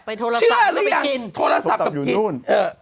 เออเชื่อหรือยังพนัสสับเยาณ